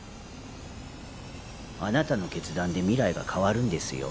あなたの決断で未来が変わるんですよ。